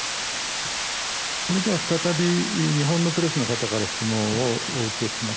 それでは再び日本のプレスの方から質問をお受けします。